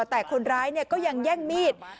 แต่คนร้ายก็ยังแย่งมีด